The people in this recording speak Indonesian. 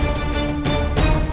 segera kembali bawa ke kusaka